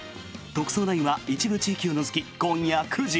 「特捜９」は一部地域を除き、今夜９時。